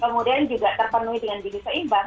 kemudian juga terpenuhi dengan gizi seimbang